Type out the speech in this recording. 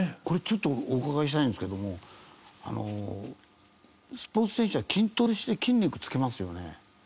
これちょっとお伺いしたいんですけどもスポーツ選手は筋トレして筋肉つけますよね。